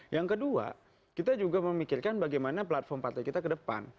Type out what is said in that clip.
yang kedua kita juga memikirkan bagaimana platform partai kita ke depan